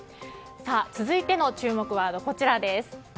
続いての注目ワードです。